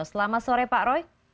selamat sore pak roy